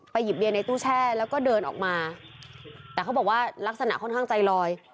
หยิบเบียนในตู้แช่แล้วก็เดินออกมาแต่เขาบอกว่าลักษณะค่อนข้างใจลอย